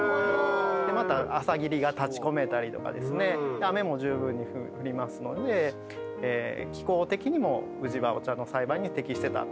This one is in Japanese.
また朝霧が立ち込めたりですね雨もじゅうぶんに降りますので気候的にも宇治はお茶の栽培に適してた。